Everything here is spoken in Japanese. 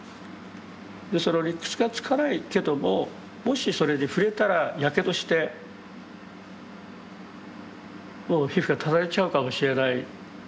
その理屈がつかないけどももしそれに触れたらやけどしてもう皮膚がただれちゃうかもしれない。